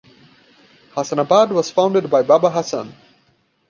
Hassanabad was founded by Baba Hassan.